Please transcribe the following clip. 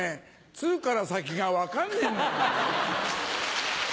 ツーから先が分かんねえんだよ。